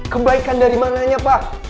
kebaikan dari mananya pak